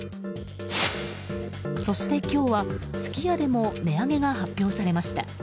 そして今日は、すき家でも値上げが発表されました。